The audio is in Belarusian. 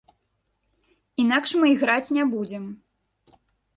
Інакш мы іграць не будзем.